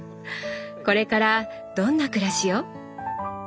これからどんな暮らしを？